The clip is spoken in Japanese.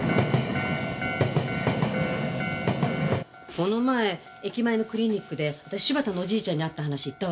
この前駅前のクリニックで私柴田のおじいちゃんに会った話言ったわよね？